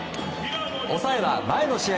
抑えは、前の試合